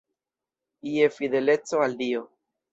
Je fideleco al Dio.